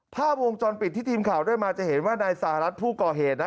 ภาพวงจรปิดที่ทีมข่าวได้มาจะเห็นว่านายสหรัฐผู้ก่อเหตุนะ